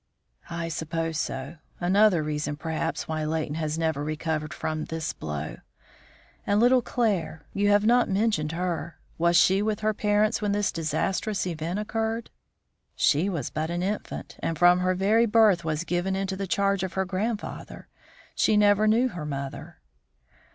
"I suppose so; another reason, perhaps, why Leighton has never recovered from this blow. And little Claire? You have not mentioned her. Was she with her parents when this disastrous event occurred?" "She was but an infant, and from her very birth was given into the charge of her grandfather. She never knew her mother."